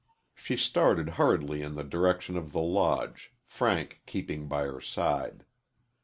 She started hurriedly in the direction of the Lodge, Frank keeping by her side.